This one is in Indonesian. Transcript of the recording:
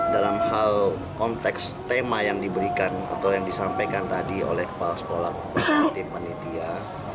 dalam hal konteks tema yang diberikan atau yang disampaikan tadi oleh kepala sekolah tim panitia